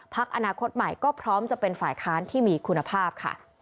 อนาคตใหม่ก็พร้อมจะเป็นฝ่ายค้านที่มีคุณภาพค่ะ